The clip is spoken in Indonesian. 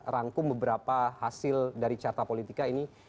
rangkum beberapa hasil dari carta politika ini